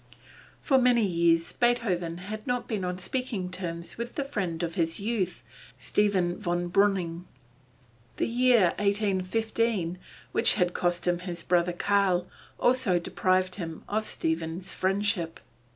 For many years Beethoven had not been on speaking terms with the friend of his youth, Stephen von Breuning. The year 1815, which had cost him his brother Karl, also deprived him of Stephen's friendship.